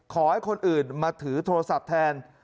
ขอให้คนอื่นมาถือโทรศัพท์แทน